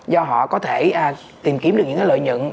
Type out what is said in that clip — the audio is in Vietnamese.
do họ có thể tìm kiếm được những cái lợi nhuận